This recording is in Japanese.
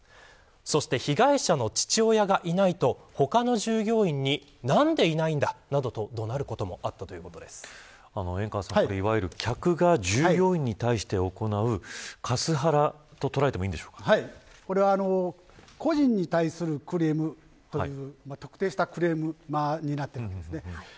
そして、被害者の父親がいないと他の従業員に、何でいないんだなどと怒鳴ることもあった援川さん、いわゆる客が従業員に対して行うカスハラと捉えてもこれは個人に対するクレームという特定したクレームになりますね。